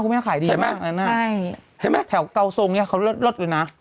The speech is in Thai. คุณแม่ขายดีมากเลยนะใช่ไหมแถวเกาทรงนี่เขาเลิศเลยนะ